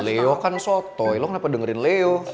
ya leo kan sotoy lo kenapa dengerin leo